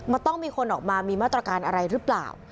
มันต้องมีคนออกมามีมาตรการอะไรหรือเปล่า